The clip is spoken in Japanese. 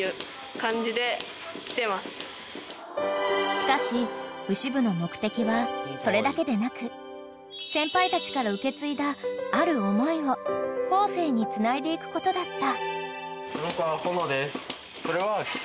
［しかし牛部の目的はそれだけでなく先輩たちから受け継いだある思いを後世につないでいくことだった］